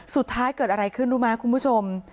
สุดท้ายเกิดอะไรขึ้นรู้ไหมคุณผู้ชม